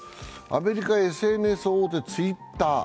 アメリカ・ＳＮＳ大手、ツイッター。